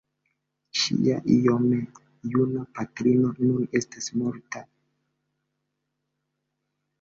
Ŝia iome juna patrino nun estas morta.